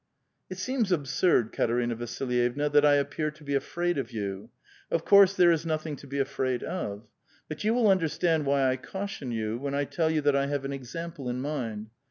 " It seems absurd, Katerina Vasilyevna that I appear to be afraid of vou : of course there is nothins: to be afraid of. But you will understand why I caution 3^ou when I tell you that I have an example in mind.